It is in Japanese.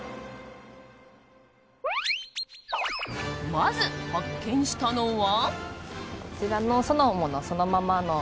まず発見したのは。